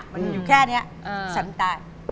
มันอยู่แค่นี้ฉันตาย